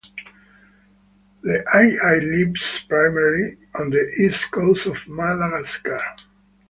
The aye-aye lives primarily on the east coast of Madagascar.